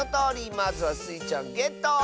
まずはスイちゃんゲット！